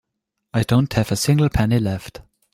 I don't have a single penny left.